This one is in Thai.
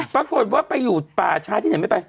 ปรากฏว่าไปอยู่ป่าช้าที่ไหนไม่ไป